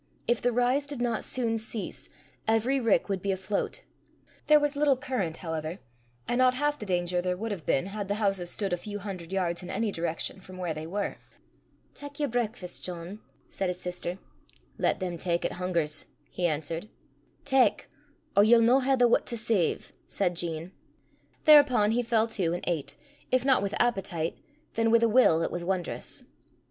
If the rise did not soon cease, every rick would be afloat. There was little current, however, and not half the danger there would have been had the houses stood a few hundred yards in any direction from where they were. "Tak yer brakfast, John," said his sister. "Lat them tak 'at hungers," he answered. "Tak, or ye'll no hae the wut to save," said Jean. Thereupon he fell to, and ate, if not with appetite, then with a will that was wondrous.